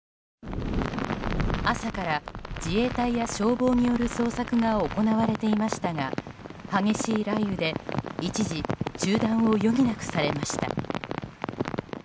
朝から自衛隊や消防による捜索が行われていましたが激しい雷雨で一時中断を余儀なくされました。